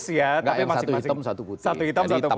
satu hitam satu putih